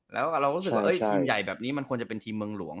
ทีมใหญ่แบบนี้มันควรเป็นทีมเมืองหลวง